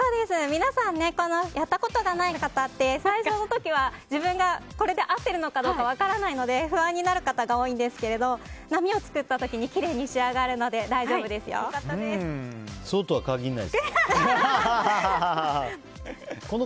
皆さん、やったことがない方って最初の時は自分がこれで合ってるのかどうか分からないので不安になる方が多いんですけど波を作った時にきれいに仕上がるのでそうとは限らないですよ。